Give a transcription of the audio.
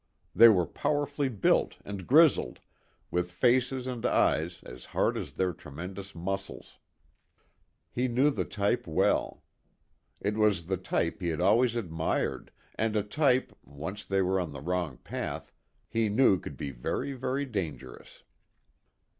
They were powerfully built and grizzled, with faces and eyes as hard as their tremendous muscles. He knew the type well. It was the type he had always admired, and a type, once they were on the wrong path, he knew could be very, very dangerous.